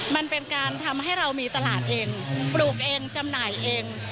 มันเป็นการทำให้เรามีตลาดเองปลูกเองจำหน่ายเอง